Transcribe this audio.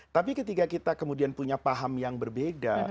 tapi ketika kita kemudian punya paham yang berbeda